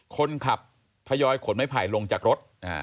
คนขับทยอยขนไม้ไผ่ลงจากรถ